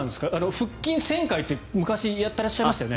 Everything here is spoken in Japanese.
腹筋１０００回って昔やってらっしゃいましたよね。